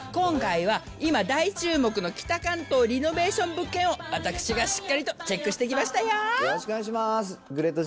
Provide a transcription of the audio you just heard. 今回は今大注目の北関東リノベーション物件を、私がしっかりとチェックしてきましたよ。